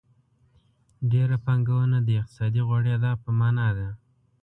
ډېره پانګونه د اقتصادي غوړېدا په مانا ده.